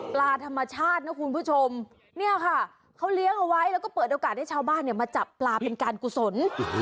ปลาธรรมชาตินะคุณผู้ชมเนี่ยค่ะเขาเลี้ยงเอาไว้แล้วก็เปิดโอกาสให้ชาวบ้านเนี่ยมาจับปลาเป็นการกุศล